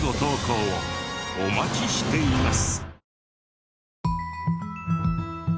お待ちしています。